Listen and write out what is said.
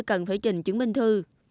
cần phải trình chứng minh thư